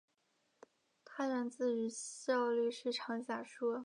它源自于效率市场假说。